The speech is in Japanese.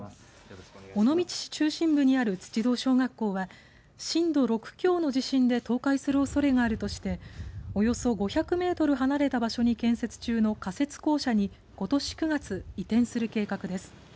尾道市中心部にある土堂小学校は震度６強の地震で倒壊するおそれがあるとしておよそ５００メートル離れた場所に建設中の仮設校舎に、ことし９月移転する計画です。